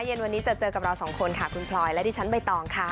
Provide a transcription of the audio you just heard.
เย็นวันนี้จะเจอกับเราสองคนค่ะคุณพลอยและดิฉันใบตองค่ะ